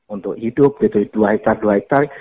untuk hidup yaitu dua hektare dua hektare